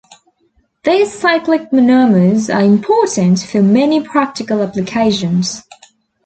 These cyclic monomers are important for many practical applications.